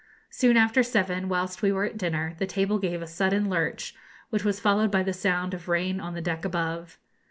Soon after seven, whilst we were at dinner, the table gave a sudden lurch, which was followed by the sound of rain on the deck above.